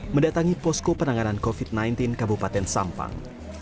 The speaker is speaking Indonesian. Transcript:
mendatangi posko penanganan covid sembilan belas kabupaten sampang